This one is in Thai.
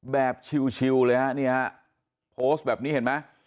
แบบชิวเลยฮะนี่ฮะโพสต์แบบนี้เห็นไหม